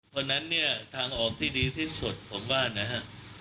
เพราะฉะนั้นเนี่ยทางออกที่ดีที่สุดผมว่านะฮะ